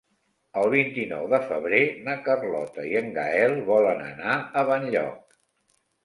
El vint-i-nou de febrer na Carlota i en Gaël volen anar a Benlloc.